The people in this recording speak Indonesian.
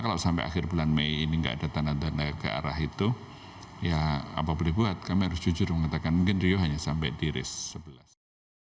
tetapi masih jauh dari nilai nominal yang dibutuhkan